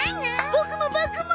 ボクもボクも！